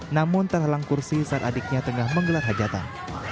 namun terhalang kursi saat adiknya tengah menggelar hajatan